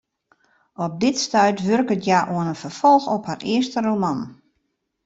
Op dit stuit wurket hja oan in ferfolch op har earste roman.